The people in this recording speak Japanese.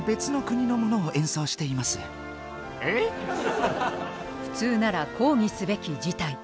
しかし普通なら抗議すべき事態。